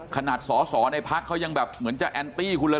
ขนาดสอสอในพักเขายังแบบเหมือนจะแอนตี้คุณเลย